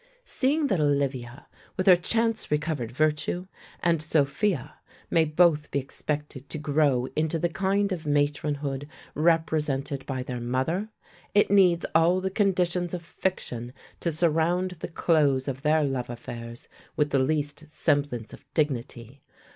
Seeing that Olivia (with her chance recovered virtue) and Sophia may both be expected to grow into the kind of matronhood represented by their mother, it needs all the conditions of fiction to surround the close of their love affairs with the least semblance of dignity.